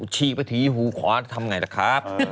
ชีปฐีหูคอทำอย่างไรล่ะครับ